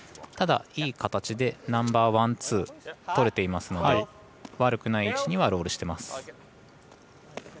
ただ、いい形でナンバーワン、ツー取れていますので悪くない位置にはロールしてます。